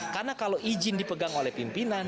karena kalau izin dipegang oleh pimpinan